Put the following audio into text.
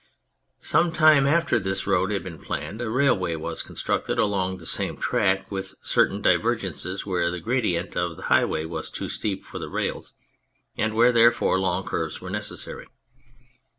Some time after this road had been planned, a railway was constructed along the same track, with certain divergences where the gradient of the high way was too steep for the rails and where therefore long curves were necessary.